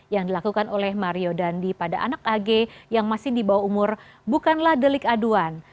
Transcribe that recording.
yang dilakukan oleh mario dandi pada anak ag yang masih di bawah umur bukanlah delik aduan